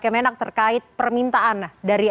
kemenak terkait permintaan dari